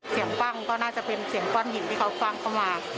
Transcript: ปั้งก็น่าจะเป็นเสียงก้อนหินที่เขาฟังเข้ามา